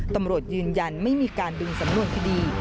ตำรวจยืนยันไม่มีการดึงสำนวนคดี